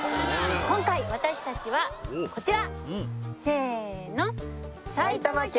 今回私達はこちら！